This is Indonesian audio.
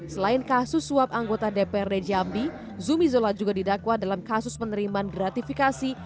selain kasus suap anggota dprd jambi zumi zola juga didakwa dalam kasus penerimaan gratifikasi